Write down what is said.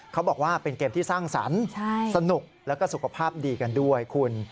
เขาบอกว่าเป็นเกมที่สร้างสรรค์สนุกแล้วก็สุขภาพดีกันด้วยคุณ